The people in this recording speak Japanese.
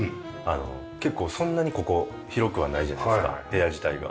結構そんなにここ広くはないじゃないですか部屋自体が。